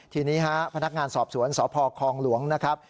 ทีนี้ฮะพนักงานสอบสวนสพคลองหลวงนะครับ